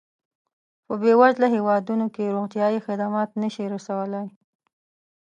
په بېوزله هېوادونو کې روغتیایي خدمات نه شي رسولای.